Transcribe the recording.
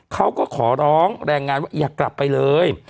เขาก็ขอร้องแรงงานว่าอย่ากลับไปเลย